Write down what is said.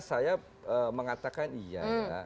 saya mengatakan iya